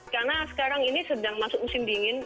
karena sekarang ini sedang masuk musim dingin